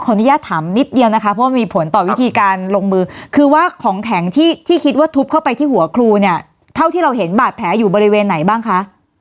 อนุญาตถามนิดเดียวนะคะเพราะว่ามีผลต่อวิธีการลงมือคือว่าของแข็งที่ที่คิดว่าทุบเข้าไปที่หัวครูเนี่ยเท่าที่เราเห็นบาดแผลอยู่บริเวณไหนบ้างคะ